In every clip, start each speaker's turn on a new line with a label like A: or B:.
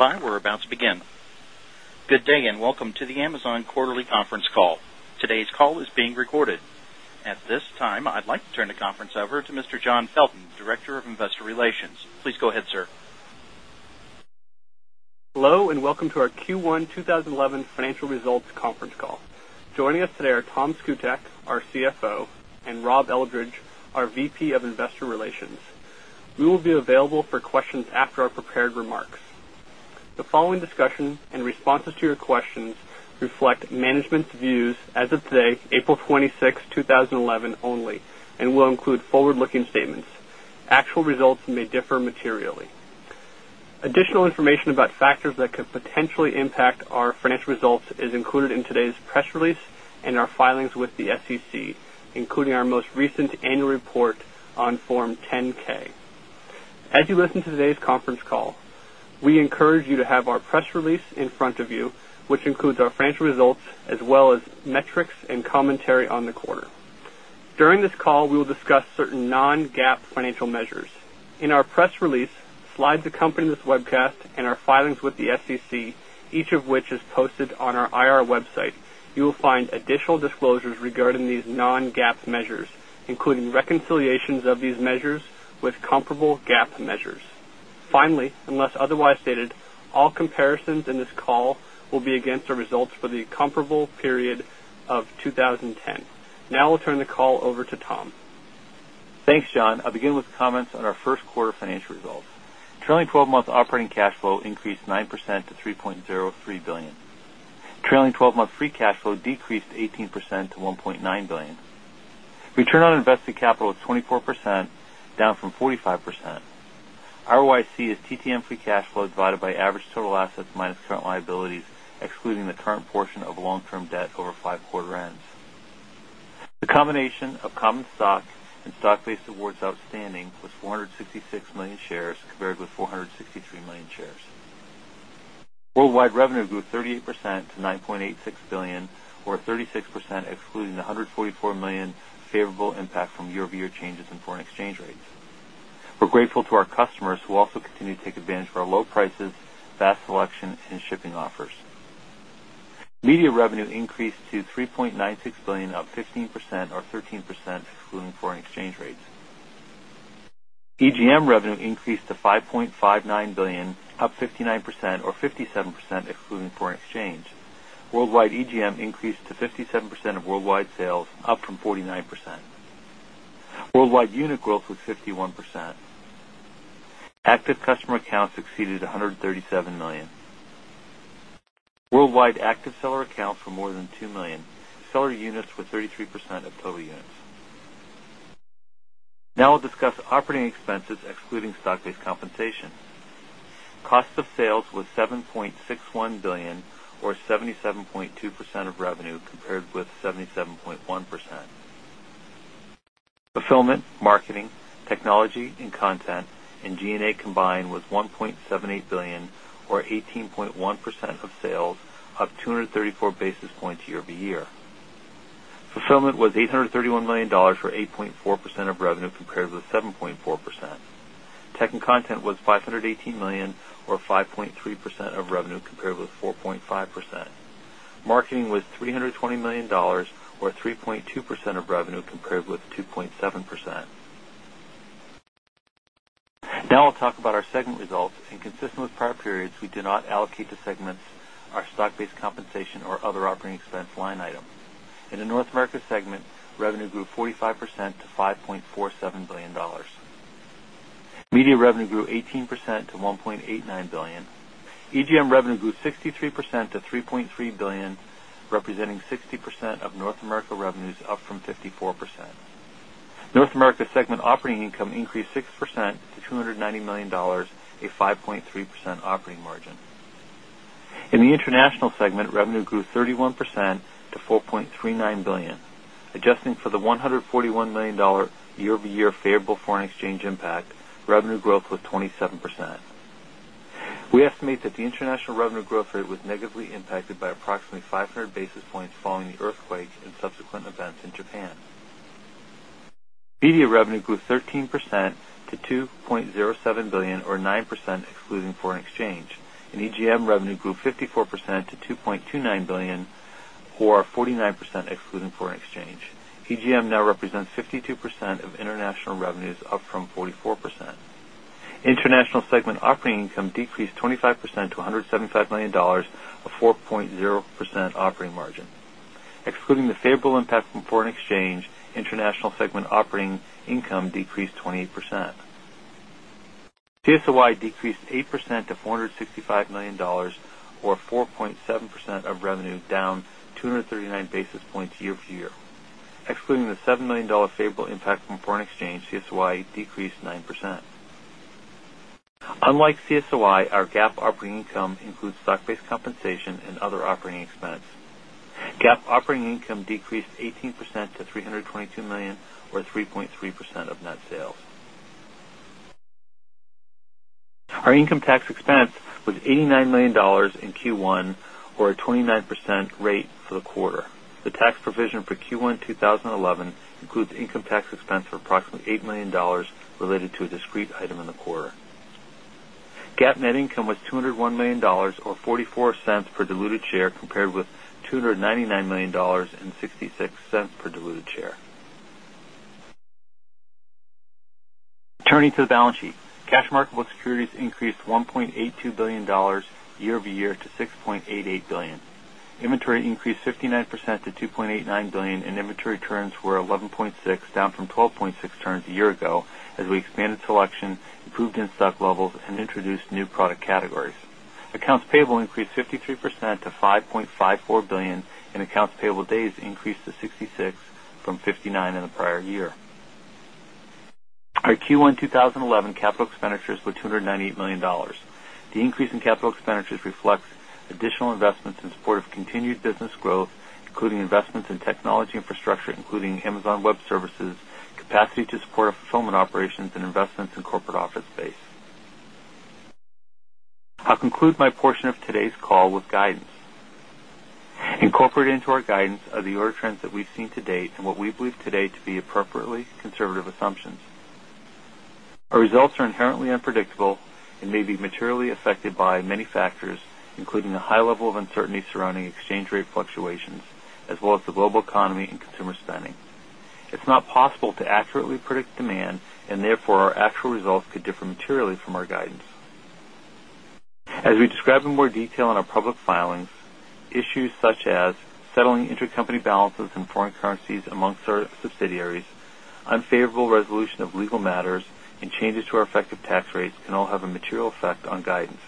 A: We're about to begin. Good day and welcome to the Amazon quarterly conference call. Today's call is being recorded. At this time, I'd like to turn the conference over to Mr. John Felton, Director of Investor Relations. Please go ahead, sir.
B: Hello, and welcome to our Q1 2011 financial results conference call. Joining us today are Tom Szkutak, our CFO, and Rob Eldridge, our VP of Investor Relations. We will be available for questions after our prepared remarks. The following discussion and responses to your questions reflect management's views as of today, April 26, 2011, only, and will include forward-looking statements. Actual results may differ materially. Additional information about factors that could potentially impact our financial results is included in today's press release and our filings with the SEC, including our most recent annual report on Form 10-K. As you listen to today's conference call, we encourage you to have our press release in front of you, which includes our financial results as well as metrics and commentary on the quarter. During this call, we will discuss certain non-GAAP financial measures. In our press release, slides accompany this webcast, and our filings with the SEC, each of which is posted on our IR website, you will find additional disclosures regarding these non-GAAP measures, including reconciliations of these measures with comparable GAAP measures. Finally, unless otherwise stated, all comparisons in this call will be against the results for the comparable period of 2010. Now, I'll turn the call over to Tom.
C: Thanks, John. I'll begin with comments on our first quarter financial result. Trailing 12-month operating cash flow increased 9% to $3.03 billion. Trailing 12-month free cash flow decreased 18% to $1.9 billion. Return on invested capital was 24%, down from 45%. ROIC is TTM free cash flow divided by average total assets minus current liabilities, excluding the current portion of long-term debt over five quarter ends. The combination of common stock and stock-based awards outstanding was 466 million shares compared with 463 million shares. Worldwide revenue grew 38% to $9.86 billion, or 36%, excluding the $144 million favorable impact from year-over-year changes in foreign exchange rates. We're grateful to our customers who also continue to take advantage of our low prices, fast selection, and shipping offers. Media revenue increased to $3.96 billion, up 15%, or 13%, excluding foreign exchange rates. EGM revenue increased to $5.59 billion, up 59%, or 57%, excluding foreign exchange. Worldwide EGM increased to 57% of worldwide sales, up from 49%. Worldwide unit growth was 51%. Active customer accounts exceeded 137 million. Worldwide active seller accounts were more than 2 million. Seller units were 33% of total units. Now, I'll discuss operating expenses, excluding stock-based compensation. Cost of sales was $7.61 billion, or 77.2% of revenue compared with 77.1%. Fulfillment, marketing, technology and content, and G&A combined was $1.78 billion, or 18.1% of sales, up 234 basis points year-over-year. Fulfillment was $831 million, or 8.4% of revenue compared with 7.4%. Tech and content was $518 million, or 5.3% of revenue compared with 4.5%. Marketing was $320 million, or 3.2% of revenue compared with 2.7%. Now, I'll talk about our segment results, and consistent with prior periods, we do not allocate to segments our stock-based compensation or other operating expense line item. In the North America segment, revenue grew 45% to $5.47 billion. Media revenue grew 18% to $1.89 billion. EGM revenue grew 63% to $3.3 billion, representing 60% of North America revenues, up from 54%. North America segment operating income increased 6% to $290 million, a 5.3% operating margin. In the international segment, revenue grew 31% to $4.39 billion. Adjusting for the $141 million year-over-year favorable foreign exchange impact, revenue growth was 27%. We estimate that the international revenue growth rate was negatively impacted by approximately 500 basis points following the earthquakes and subsequent events in Japan. Media revenue grew 13% to $2.07 billion, or 9% excluding foreign exchange. EGM revenue grew 54% to $2.29 billion, or 49% excluding foreign exchange. EGM now represents 52% of international revenues, up from 44%. International segment operating income decreased 25% to $175 million, a 4.0% operating margin. Excluding the favorable impact from foreign exchange, international segment operating income decreased 28%. CSY decreased 8% to $465 million, or 4.7% of revenue, down 239 basis points year-over-year. Excluding the $7 million favorable impact from foreign exchange, CSY decreased 9%. Unlike CSY, our GAAP operating income includes stock-based compensation and other operating expense. GAAP operating income decreased 18% to $322 million, or 3.3% of net sales. Our income tax expense was $89 million in Q1, or a 29% rate for the quarter. The tax provision for Q1 2011 includes income tax expense of approximately $8 million related to a discrete item in the quarter. GAAP net income was $201 million, or $0.44 per diluted share, compared with $299 million and $0.66 per diluted share. Turning to the balance sheet, cash and marketable securities increased $1.82 billion year-over-year to $6.88 billion. Inventory increased 59% to $2.89 billion, and inventory turns were 11.6, down from 12.6 turns a year ago, as we expanded selection, improved in-stock levels, and introduced new product categories. Accounts payable increased 53% to $5.54 billion, and accounts payable days increased to 66 from 59 in the prior year. Our Q1 2011 capital expenditures were $298 million. The increase in capital expenditures reflects additional investments in support of continued business growth, including investments in technology infrastructure, including Amazon Web Services, capacity to support fulfillment operations, and investments in corporate office space. I'll conclude my portion of today's call with guidance. Incorporated into our guidance are the order trends that we've seen to date and what we believe today to be appropriately conservative assumptions. Our results are inherently unpredictable and may be materially affected by many factors, including a high level of uncertainty surrounding exchange rate fluctuations, as well as the global economy and consumer spending. It's not possible to accurately predict demand, and therefore our actual result could differ materially from our guidance. As we describe in more detail in our public filings, issues such as settling intercompany balances and foreign currencies amongst our subsidiaries, unfavorable resolution of legal matters, and changes to our effective tax rates can all have a material effect on guidance.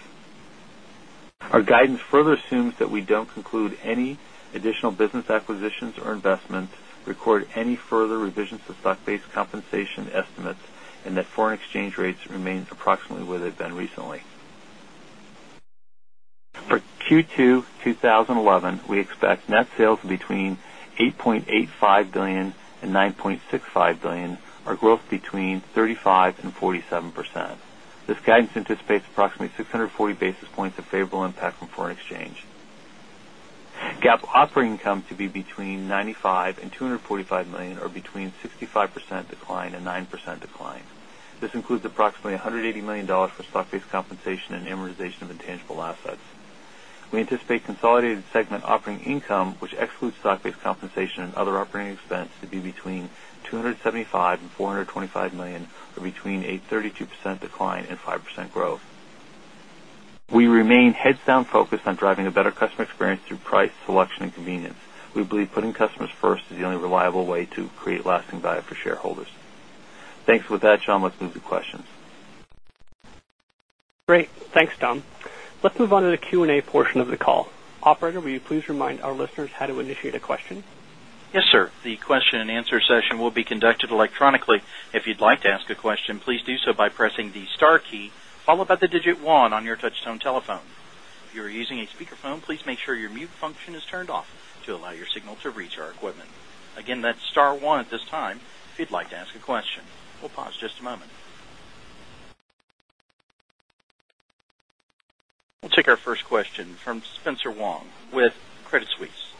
C: Our guidance further assumes that we don't conclude any additional business acquisitions or investments, record any further revisions to stock-based compensation estimates, and that foreign exchange rates remain approximately where they've been recently. For Q2 2011, we expect net sales between $8.85 billion and $9.65 billion, our growth between 35% and 47%. This guidance anticipates approximately 640 basis points of favorable impact from foreign exchange. GAAP operating income to be between $95 million and $245 million, or between a 65% decline and 9% decline. This includes approximately $180 million for stock-based compensation and amortization of intangible assets. We anticipate consolidated segment operating income, which excludes stock-based compensation and other operating expense, to be between $275 million and $425 million, or between a 32% decline and 5% growth. We remain heads-down focused on driving a better customer experience through price, selection, and convenience. We believe putting customers first is the only reliable way to create lasting value for shareholders. Thanks. With that, John, let's move to questions.
B: Great. Thanks, Tom. Let's move on to the Q&A portion of the call. Operator, will you please remind our listeners how to initiate a question?
A: Yes, sir. The question and answer session will be conducted electronically. If you'd like to ask a question, please do so by pressing the star key followed by the digit one on your touch-tone telephone. If you're using a speakerphone, please make sure your mute function is turned off to allow your signal to reach our equipment. Again, that's star one at this time. If you'd like to ask a question, we'll pause just a moment. We'll take our first question from Spencer Wang with Credit Suisse.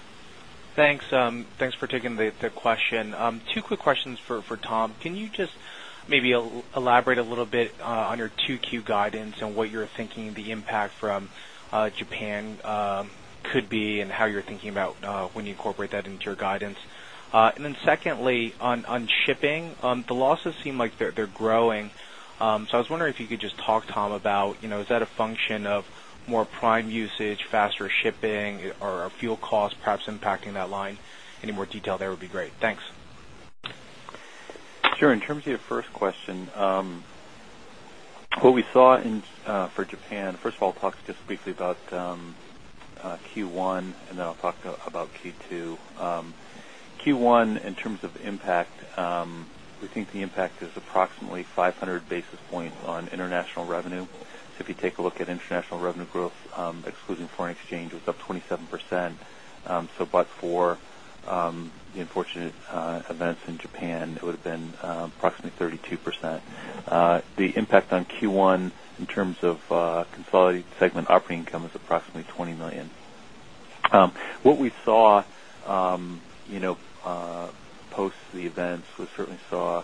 D: Thanks. Thanks for taking the question. Two quick questions for Tom. Can you just maybe elaborate a little bit on your 2Q guidance and what you're thinking the impact from Japan could be, and how you're thinking about when you incorporate that into your guidance? Secondly, on shipping, the losses seem like they're growing. I was wondering if you could just talk, Tom, about, you know, is that a function of more Prime usage, faster shipping, or fuel costs perhaps impacting that line? Any more detail there would be great. Thanks.
C: Sure. In terms of your first question, what we saw for Japan, first of all, I'll talk just briefly about Q1, and then I'll talk about Q2. Q1, in terms of impact, we think the impact is approximately 500 basis points on international revenue. If you take a look at international revenue growth, excluding foreign exchange, it was up 27%. But for the unfortunate events in Japan, it would have been approximately 32%. The impact on Q1, in terms of consolidated segment operating income, is approximately $20 million. What we saw post the events, we certainly saw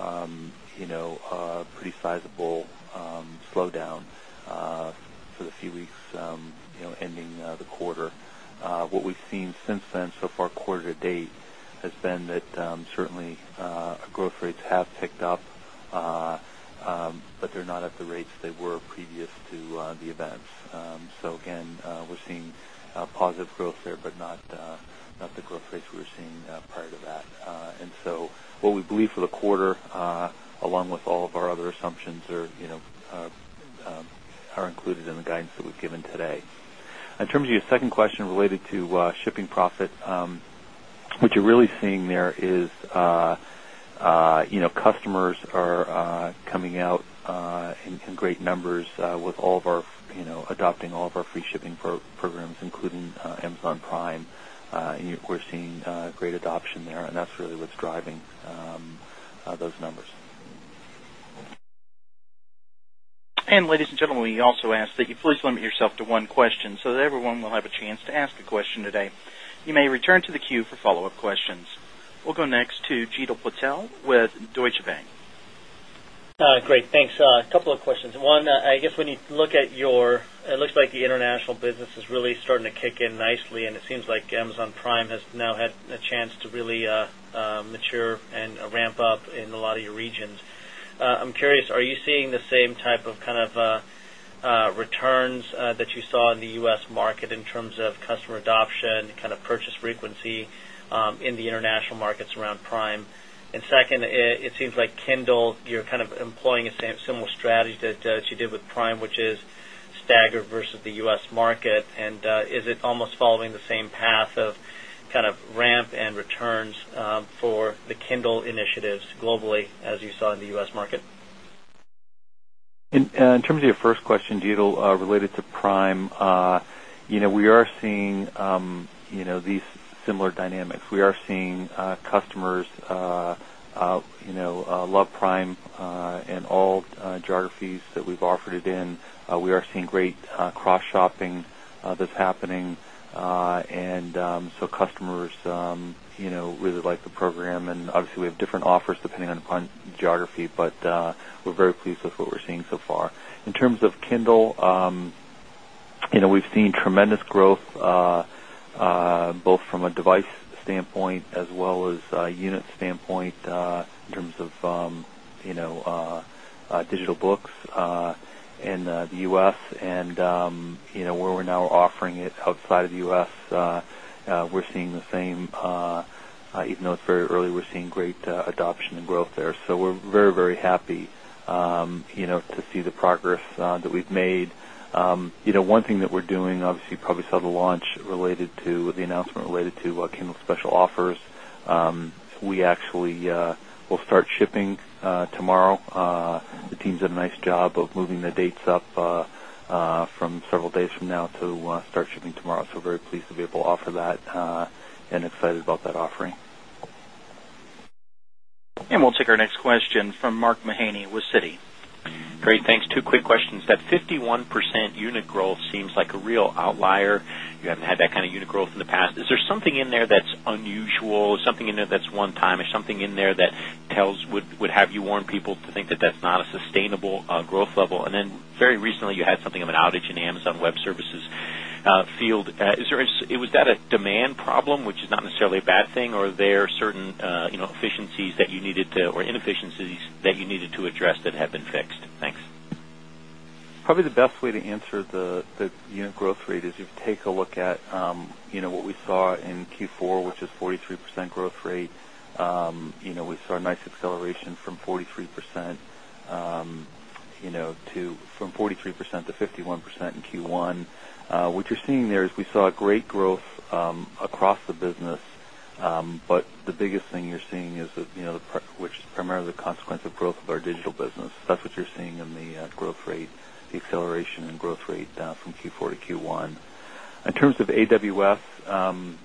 C: a pretty sizable slowdown for the few weeks ending the quarter. What we've seen since then, so far quarter to date, has been that certainly growth rates have picked up, but they're not at the rates they were previous to the events. We're seeing positive growth there, but not the growth rates we were seeing prior to that. What we believe for the quarter, along with all of our other assumptions, are included in the guidance that we've given today. In terms of your second question related to shipping profit, what you're really seeing there is customers are coming out in great numbers with all of our free shipping programs, including Amazon Prime. We're seeing great adoption there, and that's really what's driving those numbers.
A: Ladies and gentlemen, we also ask that you please limit yourself to one question so that everyone will have a chance to ask a question today. You may return to the queue for follow-up questions. We'll go next to Jeetil Patel with Deutsche Bank.
E: Great. Thanks. A couple of questions. One, I guess we need to look at your, it looks like the international business is really starting to kick in nicely, and it seems like Amazon Prime has now had a chance to really mature and ramp up in a lot of your regions. I'm curious, are you seeing the same type of kind of returns that you saw in the U.S. market in terms of customer adoption, kind of purchase frequency in the international markets around Prime? Second, it seems like Kindle, you're kind of employing a similar strategy that you did with Prime, which is staggered versus the U.S. market. Is it almost following the same path of kind of ramp and returns for the Kindle initiatives globally, as you saw in the U.S. market?
C: In terms of your first question, Jeetil, related to Prime, we are seeing these similar dynamics. We are seeing customers love Prime in all geographies that we've offered it in. We are seeing great cross-shopping that's happening, so customers really like the program. Obviously, we have different offers depending upon geography, but we're very pleased with what we're seeing so far. In terms of Kindle, we've seen tremendous growth both from a device standpoint as well as a unit standpoint in terms of digital books in the U.S. and where we're now offering it outside of the U.S. we're seeing the same. Even though it's very early, we're seeing great adoption and growth there. We're very, very happy to see the progress that we've made. One thing that we're doing, you probably saw the launch related to the announcement related to Kindle's special offer. We actually will start shipping tomorrow. The team's done a nice job of moving the dates up from several days from now to start shipping tomorrow. We're very pleased to be able to offer that and excited about that offering.
A: We will take our next question from Mark Mahaney with Citi.
F: Great. Thanks. Two quick questions. That 51% unit growth seems like a real outlier. You haven't had that kind of unit growth in the past. Is there something in there that's unusual? Is something in there that's one-time? Is something in there that would have you warn people to think that that's not a sustainable growth level? Very recently, you had something of an outage in the Amazon Web Services field. Was that a demand problem, which is not necessarily a bad thing, or are there certain efficiencies that you needed to, or inefficiencies that you needed to address that have been fixed? Thanks.
C: Probably the best way to answer the unit growth rate is you take a look at what we saw in Q4, which is a 43% growth rate. We saw a nice acceleration from 43% to 51% in Q1. What you're seeing there is we saw great growth across the business. The biggest thing you're seeing is that, which is primarily the consequence of growth of our digital business. That's what you're seeing in the growth rate, the acceleration in growth rate from Q4-Q1. In terms of AWS,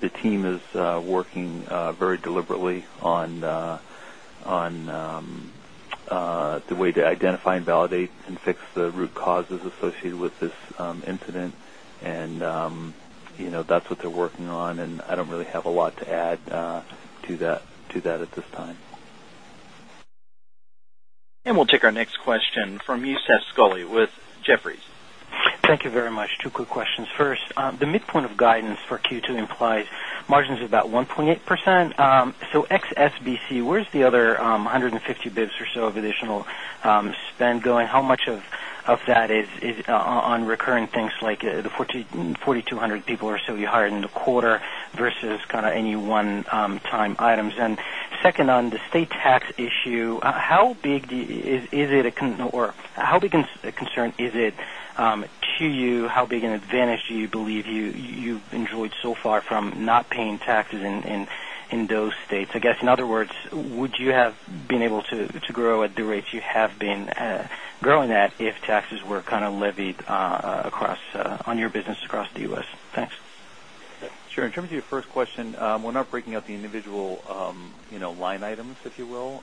C: the team is working very deliberately on the way to identify and validate and fix the root causes associated with this incident. That's what they're working on. I don't really have a lot to add to that at this time.
A: We will take our next question from you, Youssef Squali with Jefferies.
G: Thank you very much. Two quick questions. First, the midpoint of guidance for Q2 implies margins of about 1.8%. Exclude SBC, where's the other 150 bps or so of additional spend going? How much of that is on recurring things like the 4,200 people or so you hired in the quarter versus any one-time items? Second, on the state tax issue, how big is it, or how big a concern is it to you? How big an advantage do you believe you've enjoyed so far from not paying taxes in those states? In other words, would you have been able to grow at the rates you have been growing at if taxes were levied across your business across the U.S.? Thanks.
C: Sure. In terms of your first question, we're not breaking up the individual line items, if you will,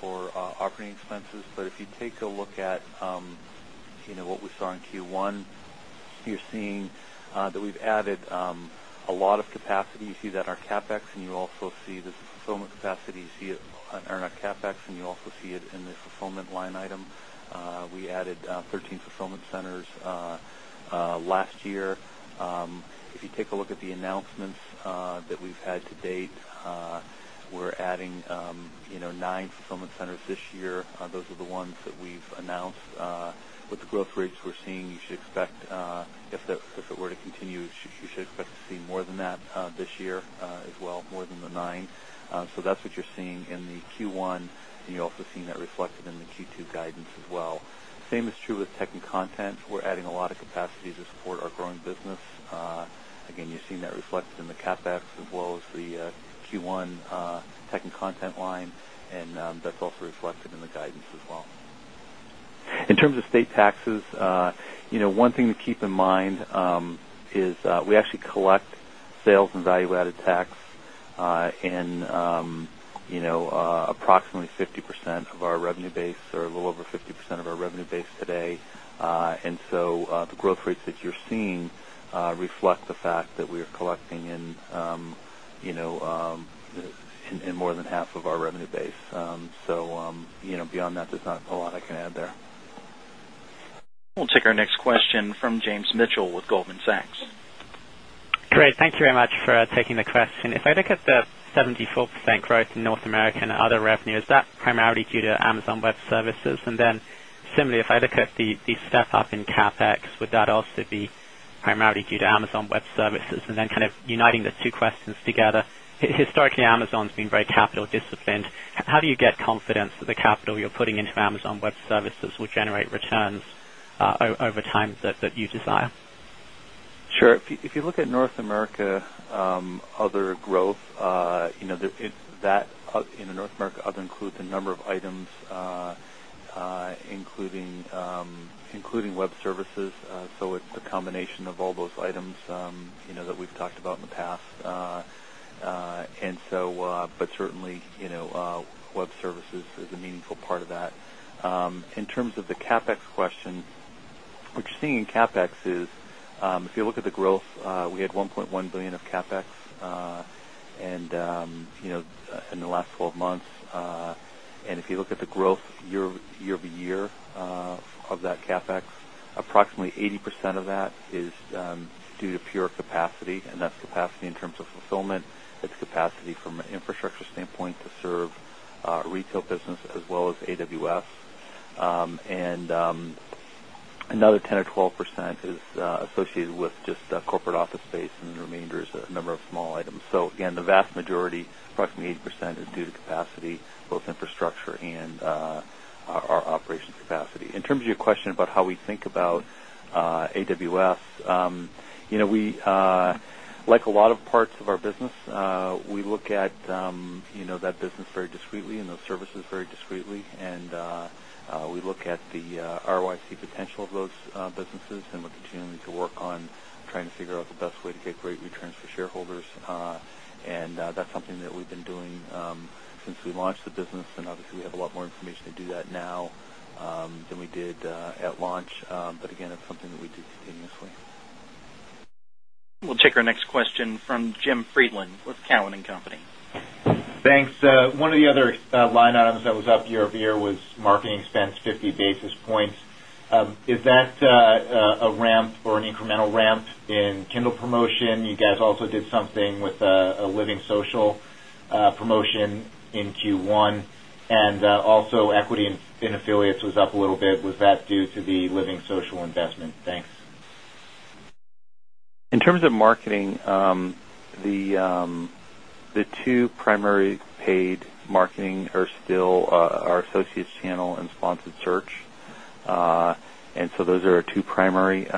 C: for operating expenses. If you take a look at what we saw in Q1, you're seeing that we've added a lot of capacity. You see that in our CapEx, and you also see the fulfillment capacity. You see it in our CapEx, and you also see it in the fulfillment line item. We added 13 fulfillment centers last year. If you take a look at the announcements that we've had to date, we're adding nine fulfillment centers this year. Those are the ones that we've announced. With the growth rates we're seeing, you should expect, if it were to continue, to see more than that this year as well, more than the nine. That's what you're seeing in the Q1, and you're also seeing that reflected in the Q2 guidance as well. The same is true with tech and content. We're adding a lot of capacity to support our growing business. Again, you're seeing that reflected in the CapEx as well as the Q1 tech and content line, and that's also reflected in the guidance as well. In terms of state taxes, one thing to keep in mind is we actually collect sales and value-added tax in approximately 50% of our revenue base or a little over 50% of our revenue base today. The growth rates that you're seeing reflect the fact that we are collecting in more than half of our revenue base. Beyond that, there's not a whole lot I can add there.
A: We'll take our next question from James Mitchell with Goldman Sachs.
H: Great. Thank you very much for taking the question. If I look at the 74% growth in North America and other revenue, is that primarily due to Amazon Web Services? If I look at the step up in CapEx, would that also be primarily due to Amazon Web Services? Kind of uniting the two questions together, historically, Amazon's been very capital disciplined. How do you get confidence that the capital you're putting into Amazon Web Services will generate returns over time that you desire?
C: Sure. If you look at North America other growth, you know, North America other includes a number of items, including web services. The combination of all those items, you know, that we've talked about in the past. Certainly, you know, web services is a meaningful part of that. In terms of the CapEx question, what you're seeing in CapEx is, if you look at the growth, we had $1.1 billion of CapEx in the last 12 months. If you look at the growth year-over-year of that CapEx, approximately 80% of that is due to pure capacity, and that's capacity in terms of fulfillment. That's capacity from an infrastructure standpoint to serve retail business as well as AWS. Another 10% or 12% is associated with just the corporate office space, and the remainder is a number of small items. Again, the vast majority, approximately 80%, is due to capacity, both infrastructure and our operations capacity. In terms of your question about how we think about AWS, you know, we, like a lot of parts of our business, we look at, you know, that business very discretely and those services very discretely. We look at the ROIC potential of those businesses and what we can do to work on trying to figure out the best way to get great returns for shareholders. That's something that we've been doing since we launched the business. Obviously, we have a lot more information to do that now than we did at launch. Again, it's something that we do continuously.
A: We'll take our next question from Jim Friedland with Cowen and Company.
I: Thanks. One of the other line items that was up year-over-year was marketing spends, 50 basis points. Is that a ramp or an incremental ramp in Kindle promotion? You guys also did something with a LivingSocial promotion in Q1. Also, equity in affiliates was up a little bit. Was that due to the LivingSocial investment? Thanks.
C: In terms of marketing, the two primary paid marketing are still our associates channel and sponsored search. Those are our two primary.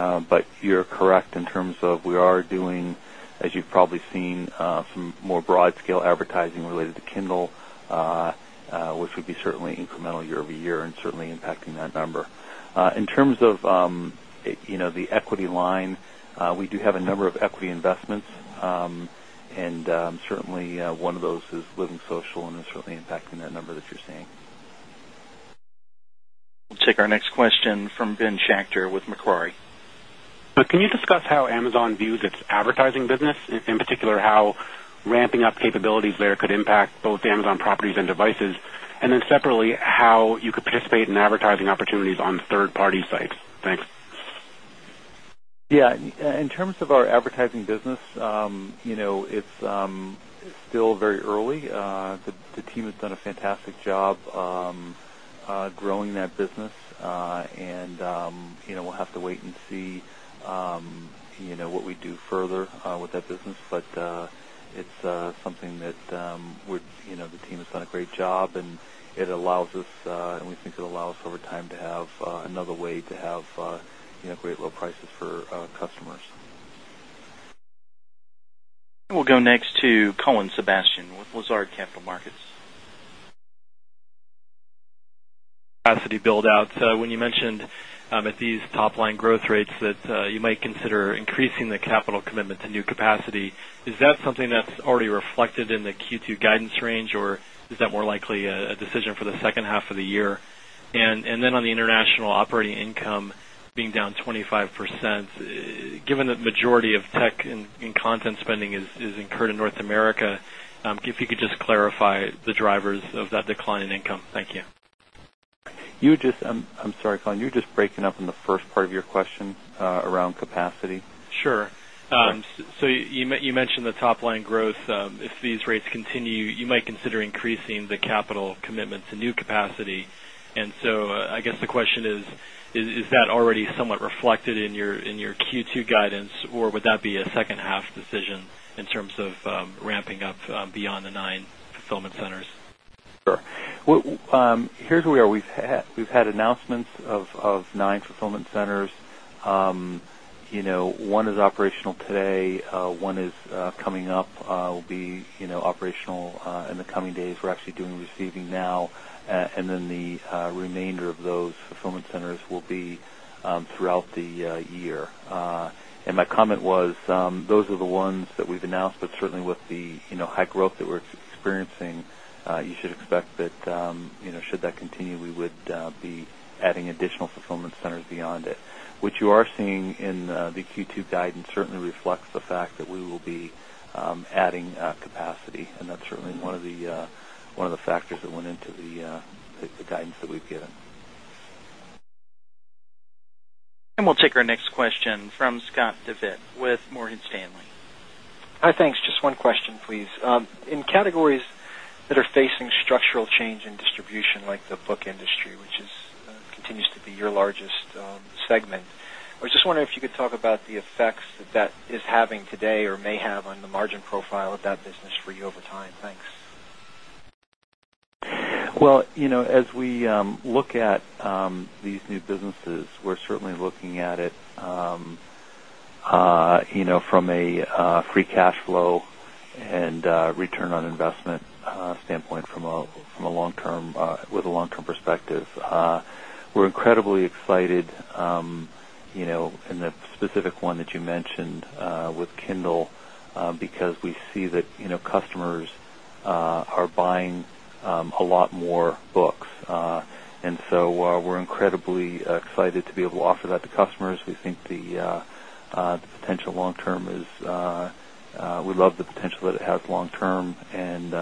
C: You're correct in terms of we are doing, as you've probably seen, some more broad-scale advertising related to Kindle, which would be certainly incremental year-over-year and certainly impacting that number. In terms of the equity line, we do have a number of equity investments. Certainly, one of those is LivingSocial and is certainly impacting that number that you're seeing.
A: We'll take our next question from Ben Schachter with Macquarie.
J: Can you discuss how Amazon views its advertising business, in particular how ramping up capabilities there could impact both Amazon properties and devices? Separately, how you could participate in advertising opportunities on third-party sites? Thanks.
C: In terms of our advertising business, it's still very early. The team has done a fantastic job growing that business. We'll have to wait and see what we do further with that business. It's something that the team has done a great job with, and we think it allows us over time to have another way to have great low prices for customers.
A: We'll go next to Colin Sebastian with Lazard Capital Markets.
K: Capacity buildout. When you mentioned at these top-line growth rates that you might consider increasing the capital commitment to new capacity, is that something that's already reflected in the Q2 guidance range, or is that more likely a decision for the second half of the year? On the international operating income being down 25%, given that the majority of tech and content spending is incurred in North America, if you could just clarify the drivers of that decline in income. Thank you.
C: I'm sorry, Colin, you were just breaking up on the first part of your question around capacity.
K: Sure. You mentioned the top-line growth. If these rates continue, you might consider increasing the capital commitment to new capacity. I guess the question is, is that already somewhat reflected in your Q2 guidance, or would that be a second-half decision in terms of ramping up beyond the nine fulfillment centers?
C: Here's where we are. We've had announcements of nine fulfillment centers. One is operational today. One is coming up. It will be operational in the coming days. We're actually doing receiving now. The remainder of those fulfillment centers will be throughout the year. My comment was, those are the ones that we've announced. Certainly, with the high growth that we're experiencing, you should expect that, should that continue, we would be adding additional fulfillment centers beyond it. What you are seeing in the Q2 guidance certainly reflects the fact that we will be adding capacity. That's certainly one of the factors that went into the guidance that we've given.
A: We will take our next question from Scott Devitt with Morgan Stanley.
L: Hi. Thanks. Just one question, please. In categories that are facing structural change in distribution, like the book industry, which continues to be your largest segment, I was just wondering if you could talk about the effects that that is having today or may have on the margin profile of that business for you over time. Thanks.
C: As we look at these new businesses, we're certainly looking at it from a free cash flow and return on investment standpoint with a long-term perspective. We're incredibly excited in that specific one that you mentioned with Kindle because we see that customers are buying a lot more books. We're incredibly excited to be able to offer that to customers. We think the potential long-term is, we love the potential that it has long-term, and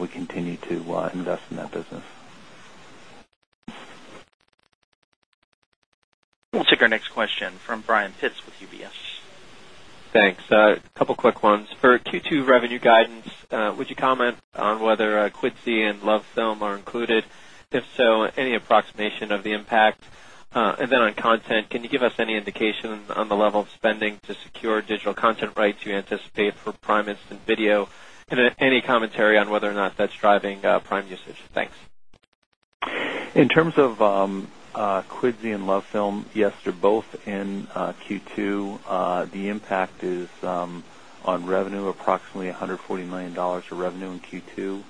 C: we continue to invest in that business.
A: We'll take our next question from Brian Pitz with UBS.
M: Thanks. A couple of quick ones. For Q2 revenue guidance, would you comment on whether Quidsi and LoveFilm are included? If so, any approximation of the impact? On content, can you give us any indication on the level of spending to secure digital content rights you anticipate for Prime and Video? Any commentary on whether or not that's driving Prime usage? Thanks.
C: In terms of Quidsi and LoveFilm, yes, they're both in Q2. The impact is on revenue, approximately $140 million of revenue in Q2,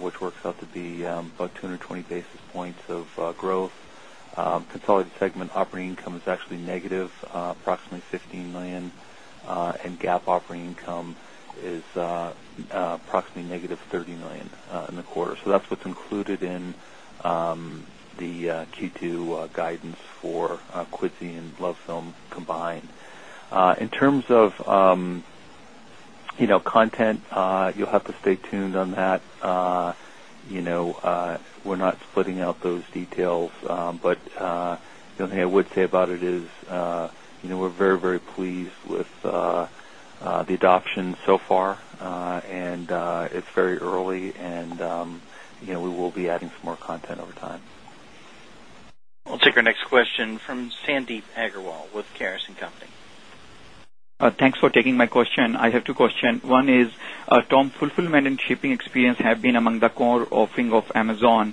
C: which works out to be about 220 basis points of growth. Consolidated segment operating income is actually negative, approximately -$16 million. GAAP operating income is approximately -$30 million in the quarter. That's what's included in the Q2 guidance for Quidsi and LoveFilm combined. In terms of content, you'll have to stay tuned on that. We're not splitting out those details. The only thing I would say about it is we're very, very pleased with the adoption so far. It's very early, and we will be adding some more content over time.
A: We'll take our next question from Sandeep Aggarwal with Caris & Company.
N: Thanks for taking my question. I have two questions. One is, Tom, fulfillment and shipping experience have been among the core offering of Amazon.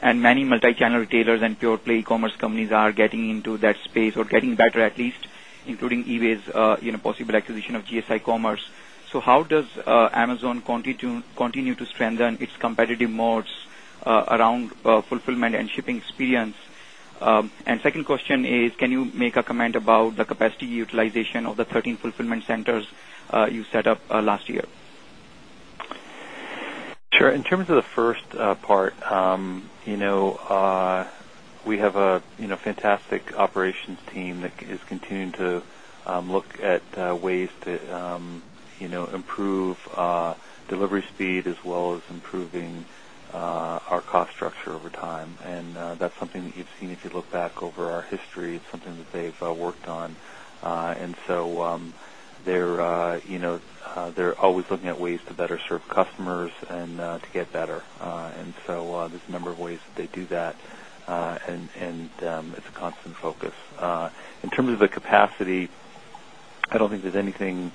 N: Many multichannel retailers and pure play e-commerce companies are getting into that space or getting better, at least, including eBay's possible acquisition of GSI Commerce. How does Amazon continue to strengthen its competitive moats around fulfillment and shipping experience? My second question is, can you make a comment about the capacity utilization of the 13 fulfillment centers you set up last year?
C: Sure. In terms of the first part, we have a fantastic operations team that is continuing to look at ways to improve delivery speed as well as improving our cost structure over time. That's something that you've seen if you look back over our history. It's something that they've worked on. They're always looking at ways to better serve customers and to get better. There are a number of ways that they do that, and it's a constant focus. In terms of the capacity, I don't think there's anything,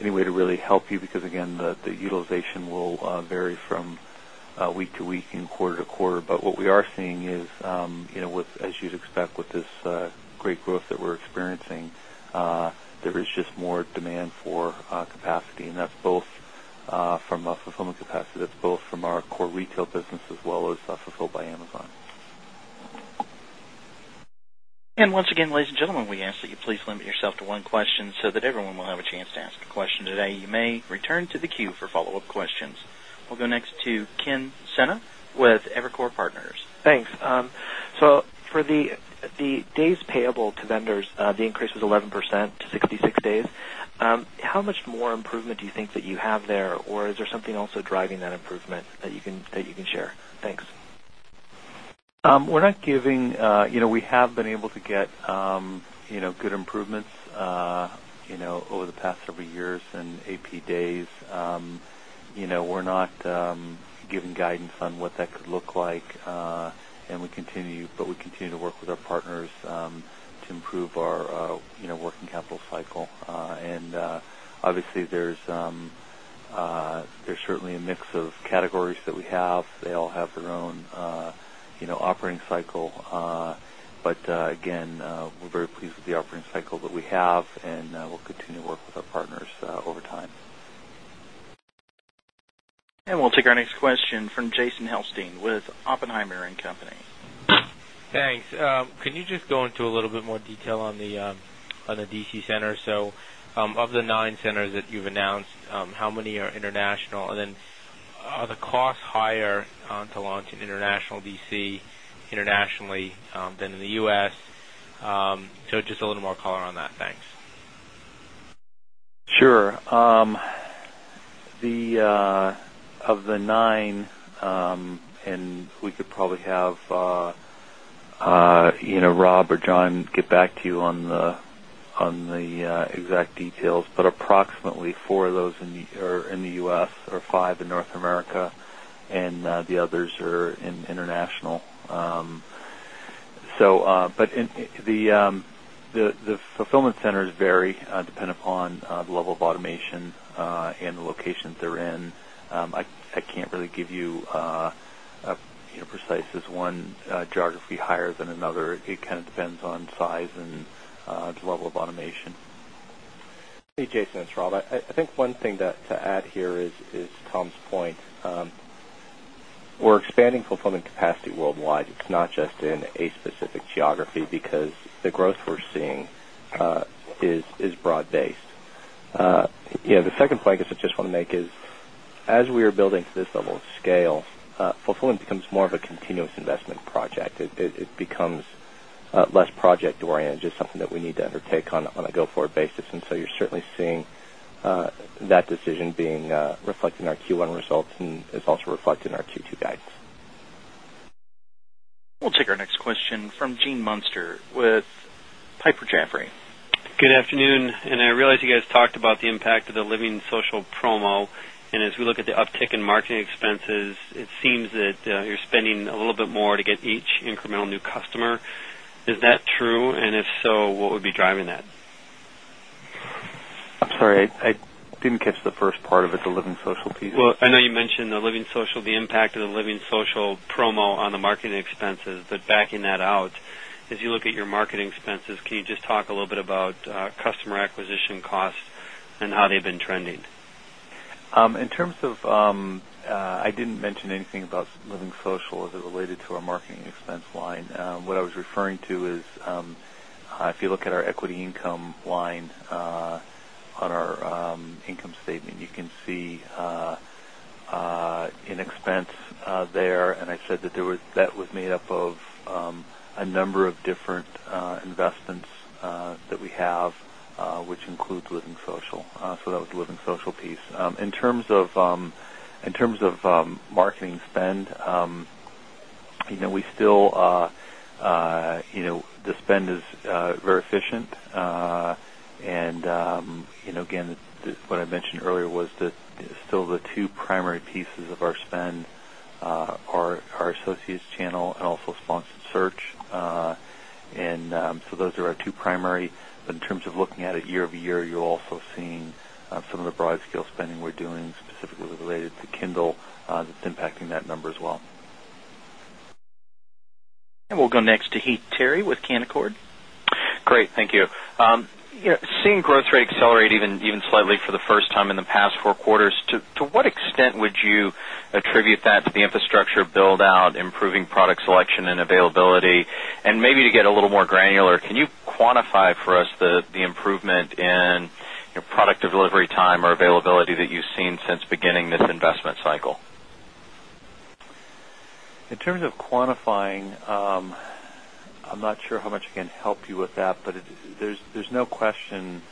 C: any way to really help you because, again, the utilization will vary from week to week and quarter to quarter. What we are seeing is, as you'd expect with this great growth that we're experiencing, there is just more demand for capacity. That's both from a fulfillment capacity, from our core retail business as well as Fulfilled by Amazon.
A: Once again, ladies and gentlemen, we ask that you please limit yourself to one question so that everyone will have a chance to ask a question today. You may return to the queue for follow-up questions. We'll go next to Ken Senna with Evercore Partners.
O: Thanks. For the days payable to vendors, the increase was 11% to 66 days. How much more improvement do you think that you have there, or is there something else driving that improvement that you can share? Thanks.
C: We have been able to get good improvements over the past several years in AP days. We're not giving guidance on what that could look like. We continue to work with our partners to improve our working capital cycle. Obviously, there's certainly a mix of categories that we have. They all have their own operating cycle. Again, we're very pleased with the operating cycle that we have, and we'll continue to work with our partners over time.
A: We will take our next question from Jason Helfstein with Oppenheimer & Company.
P: Thanks. Can you just go into a little bit more detail on the DC centers? Of the nine centers that you've announced, how many are international? Are the costs higher to launch in international DC internationally than in the U.S.? Just a little more color on that. Thanks.
C: Sure. Of the nine, and we could probably have Rob or John get back to you on the exact details, but approximately four of those are in the U.S., or five in North America, and the others are international. The fulfillment centers vary depending upon the level of automation and the location that they're in. I can't really give you a precise as one geography higher than another. It kind of depends on size and the level of automation.
Q: Hey, Jason, it's Rob. I think one thing to add here is Tom's point. We're expanding fulfillment capacity worldwide. It's not just in a specific geography because the growth we're seeing is broad-based. The second point I guess I just want to make is, as we are building to this level of scale, fulfillment becomes more of a continuous investment project. It becomes less project-oriented, just something that we need to undertake on a go-forward basis. You're certainly seeing that decision being reflected in our Q1 results, and it's also reflected in our Q2 guidance.
A: We'll take our next question from Gene Munster with Piper Jaffray.
R: Good afternoon. I realize you guys talked about the impact of the LivingSocial promo. As we look at the uptick in marketing expenses, it seems that you're spending a little bit more to get each incremental new customer. Is that true? If so, what would be driving that?
C: Sorry, I didn't catch the first part of it, the LivingSocial piece.
R: I know you mentioned the LivingSocial, the impact of the LivingSocial promo on the marketing expenses. Backing that out, as you look at your marketing expenses, can you just talk a little bit about customer acquisition cost and how they've been trending?
C: In terms of, I didn't mention anything about LivingSocial as it related to our marketing expense line. What I was referring to is, if you look at our equity income line on our income statement, you can see an expense there. I said that that was made up of a number of different investments that we have, which includes LivingSocial. That was the LivingSocial piece. In terms of marketing spend, the spend is very efficient. What I mentioned earlier was that still the two primary pieces of our spend are our associates channel and also sponsored search. Those are our two primary. In terms of looking at it year-over-year, you're also seeing some of the broad-scale spending we're doing specifically related to Kindle that's impacting that number as well.
A: We will go next to Heath Terry with Canaccord.
S: Great. Thank you. Seeing growth rate accelerate even slightly for the first time in the past four quarters, to what extent would you attribute that to the infrastructure buildout, improving product selection and availability? Maybe to get a little more granular, can you quantify for us the improvement in product delivery time or availability that you've seen since beginning this investment cycle?
C: In terms of quantifying, I'm not sure how much I can help you with that, but there's no question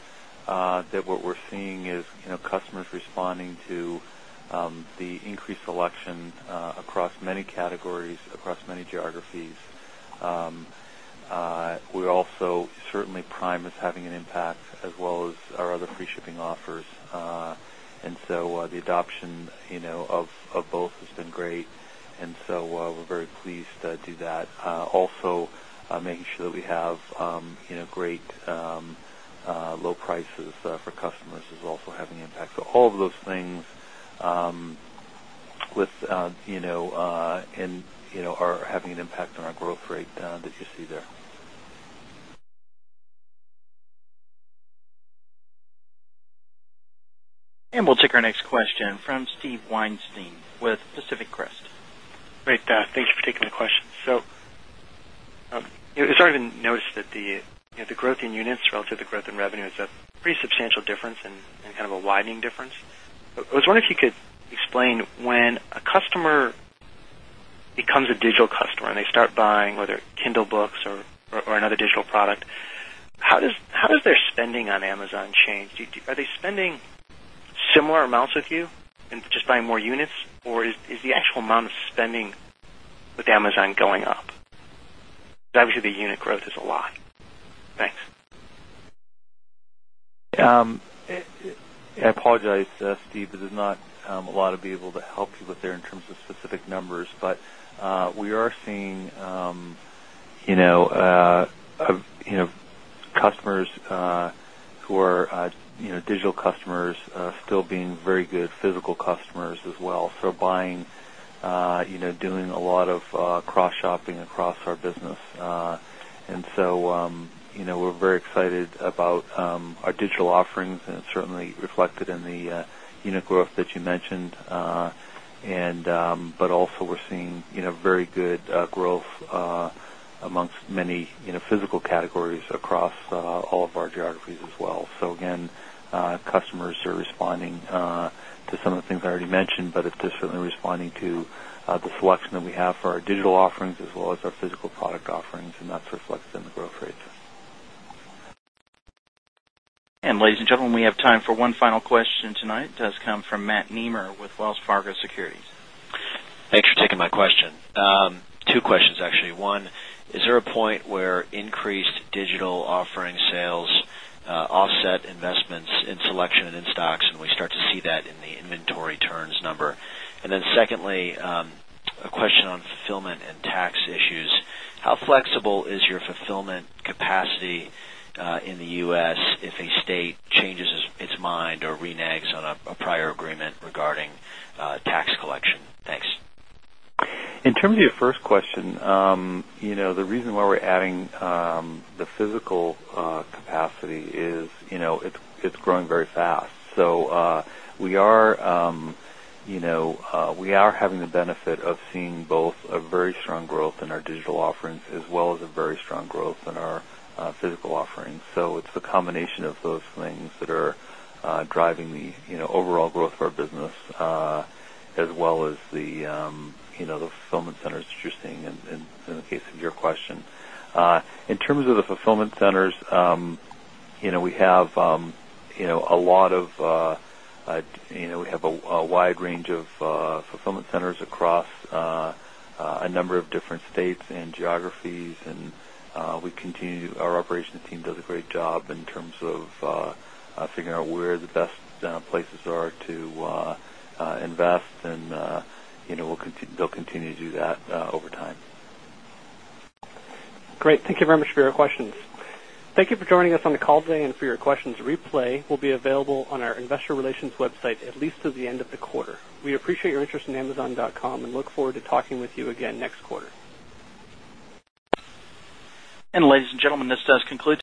C: that what we're seeing is customers responding to the increased selection across many categories, across many geographies. We also certainly, Prime is having an impact as well as our other free shipping offers. The adoption of both has been great, and we're very pleased to do that. Also, making sure that we have great low prices for customers is also having an impact. All of those things are having an impact on our growth rate that you see there.
A: We will take our next question from Steve Weinstein with Pacific Crest.
T: Great. Thank you for taking the question. It has already been noticed that the growth in units relative to the growth in revenue is a pretty substantial difference and kind of a widening difference. I was wondering if you could explain when a customer becomes a digital customer and they start buying whether Kindle books or another digital product, how does their spending on Amazon change? Are they spending similar amounts with you and just buying more units, or is the actual amount of spending with Amazon going up? Obviously, the unit growth is a lot. Thanks.
C: I apologize, Steve. This is not a lot to be able to help you with there in terms of specific numbers. We are seeing customers who are digital customers still being very good physical customers as well, buying and doing a lot of cross-shopping across our business. We are very excited about our digital offerings, and it's certainly reflected in the unit growth that you mentioned. We are also seeing very good growth amongst many physical categories across all of our geographies as well. Customers are responding to some of the things I already mentioned, and they're certainly responding to the selection that we have for our digital offerings as well as our physical product offerings, and that's reflected in the growth rate.
A: Ladies and gentlemen, we have time for one final question tonight. It does come from Matt Nemer with Wells Fargo Securities.
U: Thanks for taking my question. Two questions, actually. One, is there a point where increased digital offering sales offset investments in selection and in stocks, and we start to see that in the inventory turns number? Secondly, a question on fulfillment and tax issues. How flexible is your fulfillment capacity in the U.S. if a state changes its mind or reneges on a prior agreement regarding tax collection? Thanks.
C: In terms of your first question, the reason why we're adding the physical capacity is it's growing very fast. We are having the benefit of seeing both a very strong growth in our digital offerings as well as a very strong growth in our physical offerings. It's the combination of those things that are driving the overall growth of our business as well as the fulfillment centers that you're seeing in the case of your question. In terms of the fulfillment centers, we have a wide range of fulfillment centers across a number of different states and geographies. We continue, our operations team does a great job in terms of figuring out where the best places are to invest. They'll continue to do that over time.
B: Great. Thank you very much for your questions. Thank you for joining us on the call today and for your questions. Replay will be available on our investor relations website at least to the end of the quarter. We appreciate your interest in Amazon.com and look forward to talking with you again next quarter.
A: Ladies and gentlemen, this does conclude.